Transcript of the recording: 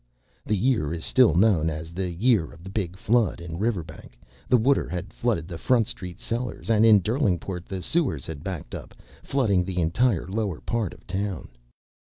The year is still known as the "year of the big flood." In Riverbank the water had flooded the Front Street cellars, and in Derlingport the sewers had backed up, flooding the entire lower part of the town.